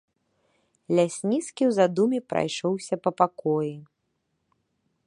Лясніцкі ў задуме прайшоўся па пакоі.